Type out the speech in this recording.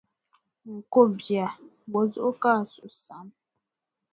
N ko bia, bɔ zuɣu ka a suhu saɣim?